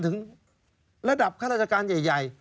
ถึงระดับข้าราชการใหญ่